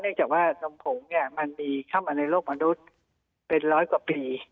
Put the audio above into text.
จากว่านมผงเนี่ยมันมีเข้ามาในโลกมนุษย์เป็นร้อยกว่าปี